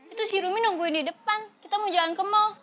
itu si rumi nungguin di depan kita mau jalan ke mall